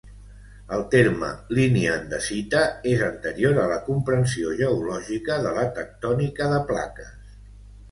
El terme "línia andesita" és anterior a la comprensió geològica de la tectònica de plaques.